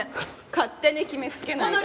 勝手に決めつけないで。